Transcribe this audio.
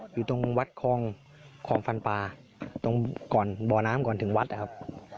อยู่ตรงวัดคลองคลองฟันปลาตรงก่อนบ่อน้ำก่อนถึงวัดนะครับ